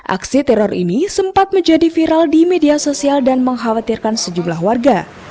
aksi teror ini sempat menjadi viral di media sosial dan mengkhawatirkan sejumlah warga